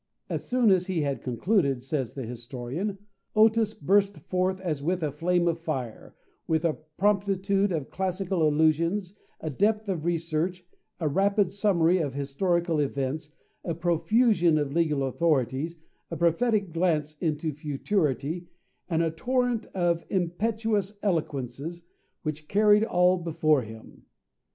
"As soon as he had concluded," says the historian, "Otis burst forth as with a flame of fire, with a promptitude of classical allusion, a depth of research, a rapid summary of historical events, a profusion of legal authorities, a prophetic glance into futurity, and a torrent of impetuous eloquence, which carried all before him."